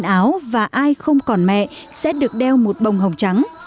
quần áo và ai không còn mẹ sẽ được đeo một bông hồng trắng